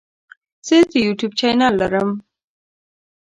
زه د یوټیوب چینل لرم.